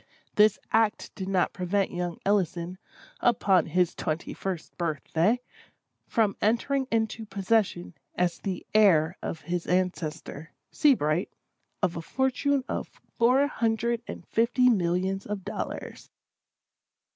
This act did not prevent young Ellison, upon his twenty first birth day, from entering into possession, as the heir of his ancestor, Seabright, of a fortune of four hundred and fifty millions of dollars.